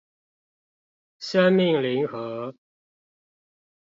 生命零和